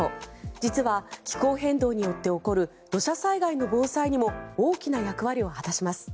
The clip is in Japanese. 実は気候変動によって起こる土砂災害の防災にも大きな役割を果たします。